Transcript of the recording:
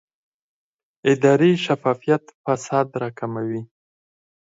اداري شفافیت فساد راکموي